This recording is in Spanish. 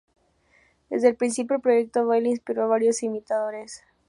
Desde el principio, el proyecto Boydell inspiró a varios imitadores.